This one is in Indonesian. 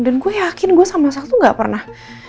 dan gue yakin gue sama satu gak pernah